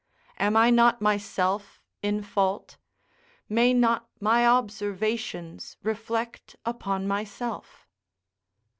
Am I not myself in fault? may not my observations reflect upon myself?"